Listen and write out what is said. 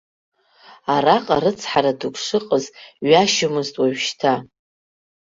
Араҟа рыцҳара дук шыҟаз ҩашьомызт уажәшьҭа.